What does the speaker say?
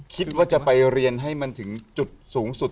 คิดว่าจะไปเรียนให้มันถึงจุดสูงสุด